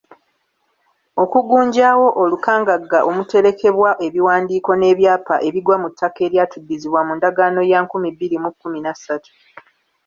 Okugunjaawo olukangaga omuterekebwa ebiwandiiko n’ebyapa ebigwa mu ttaka eryatuddizibwa mu ndagaano ya nkumi bbiri mu kkumi na ssatu.